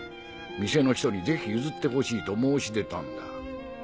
店の人にぜひ譲ってほしいと申し出たんだ。